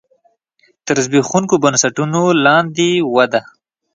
تر زبېښونکو بنسټونو لاندې وده.